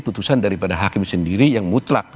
putusan daripada hakim sendiri yang mutlak